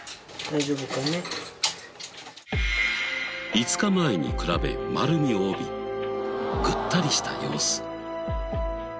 ５日前に比べ丸みを帯びぐったりした様子。